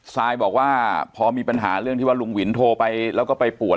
ซายบอกว่าพอมีปัญหาเรื่องที่ว่าลุงวินโทรไปแล้วก็ไปป่วน